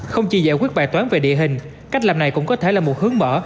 không chỉ giải quyết bài toán về địa hình cách làm này cũng có thể là một hướng mở